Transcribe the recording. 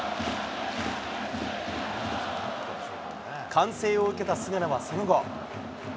歓声を受けた菅野はその後。